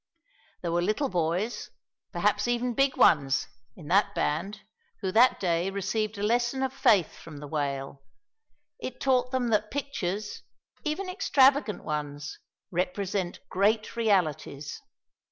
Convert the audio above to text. There were little boys, perhaps even big ones, in that band, who that day received a lesson of faith from the whale. It taught them that pictures, even extravagant ones, represent great realities.